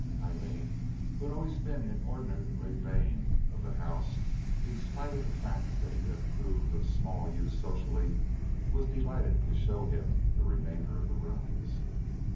Aileen, who had always been inordinately vain of the house in spite of the fact that it had proved of small use socially, was delighted to show him the remainder of the rooms.